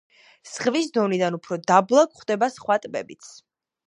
ზღვის დონიდან უფრო დაბლა გვხვდება სხვა ტბებიც.